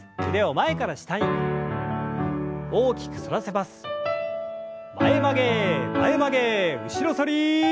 前曲げ前曲げ後ろ反り。